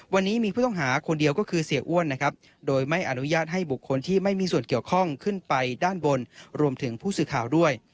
วันนี้มีผู้ต้องหาคนเดียวก็คือเสียอ้วนนะครับโดยไม่อนุญาตให้บุคคลที่ไม่มีส่วนเกี่ยวข้องขึ้นไปด้านบนรวมถึงผู้สื่อข่าวด้วย